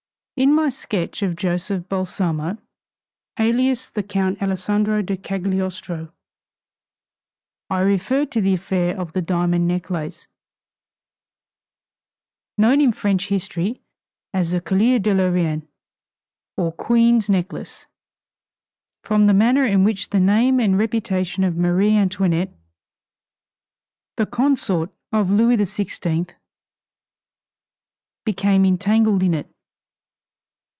In my sketch of Joseph Balsamo, alias the Count Alessandro de Cagliostro, I referred to the affair of the diamond necklace, known in French history as the Collier de la Reine, or Queen's necklace, from the manner in which the name and reputation of Marie Antoinette, the consort of Louis XVI, became entangled in it.